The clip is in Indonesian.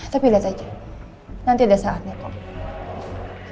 tapi liat aja nanti ada saatnya kok